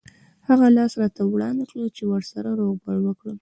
هغه لاس راته وړاندې کړ چې ورسره روغبړ وکړم.